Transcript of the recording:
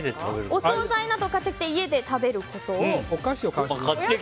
お総菜などを買ってきて家で食べること。